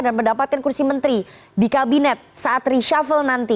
dan mendapatkan kursi menteri di kabinet saat reshuffle nanti